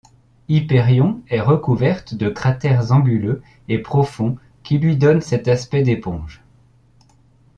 Hypérion est recouverte de cratères anguleux et profonds qui lui donnent cet aspect d’éponge.